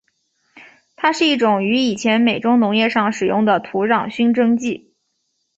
它是一种于以前美洲农业上使用的土壤熏蒸剂。